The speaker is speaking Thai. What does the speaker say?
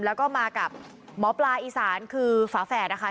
แล้วก็มากับหมอปลาอีสานคือฝาแฝดนะคะ